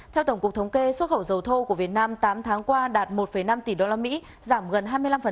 theo tổng cục thống kê xuất khẩu dầu thô của việt nam tám tháng qua đạt một năm tỷ đô la mỹ giảm gần hai mươi năm